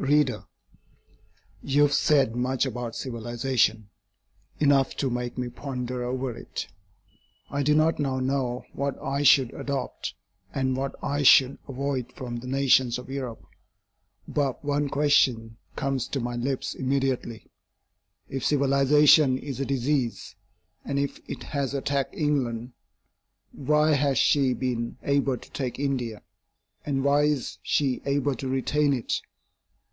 READER: You have said much about civilization enough to make me ponder over it. I do not now know what I should adopt and what I should avoid from the nations of Europe, but one question comes to my lips immediately. If civilization is a disease, and if it has attacked England why has she been able to take India, and why is she able to retain it?